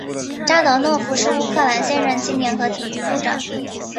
扎达诺夫是乌克兰现任青年和体育部长。